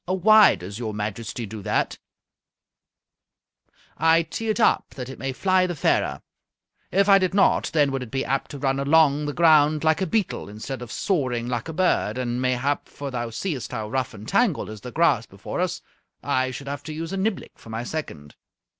"Why does your Majesty do that?" "I tee it up that it may fly the fairer. If I did not, then would it be apt to run along the ground like a beetle instead of soaring like a bird, and mayhap, for thou seest how rough and tangled is the grass before us, I should have to use a niblick for my second."